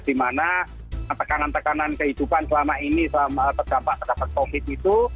dimana tekanan tekanan kehidupan selama ini selama terdapat terdapat covid itu